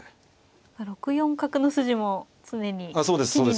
６四角の筋も常に気になりますし。